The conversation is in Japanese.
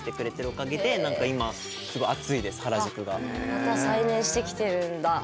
また再燃してきてるんだ。